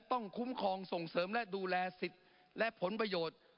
ต้องคุ้มครองส่งเสริมและดูแลสิทธิ์และผลประโยชน์